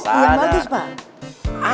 iya bagus pak